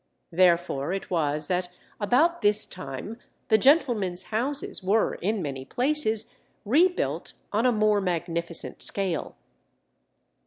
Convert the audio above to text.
Therefore it was that about this time the gentlemen's houses were in many places rebuilt on a more magnificent scale.